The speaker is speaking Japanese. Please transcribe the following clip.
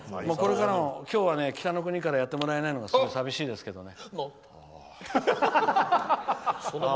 今日は「北の国から」をやってくれないのがすごい寂しいですけどね。